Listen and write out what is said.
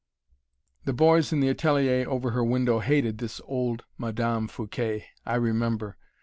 The boys in the atelier over her window hated this old Madame Fouquet, I remember.